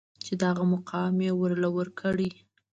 چې دغه مقام يې ورله ورکړې.